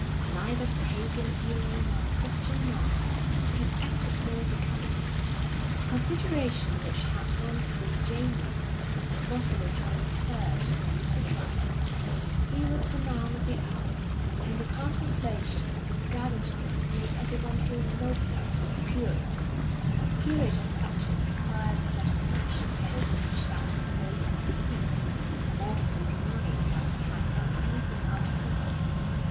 Neither pagan hero nor Christian martyr could have acted more becomingly. The consideration which had once been Jamie's was bodily transferred to Mr. Dryland. He was the man of the hour, and the contemplation of his gallant deed made everyone feel nobler, purer. The curate accepted with quiet satisfaction the homage that was laid at his feet, modestly denying that he had done anything out of the way.